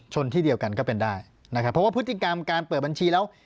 ที่เดียวกันก็เป็นได้นะครับเพราะว่าพฤติกรรมการเปิดบัญชีแล้ว